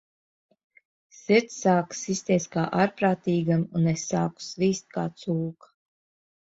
Sirds sāka sisties kā ārprātīgam, un es sāku svīst kā cūka.